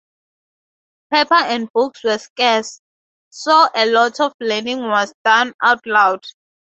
Paper and books were scarce, so a lot of learning was done out loud.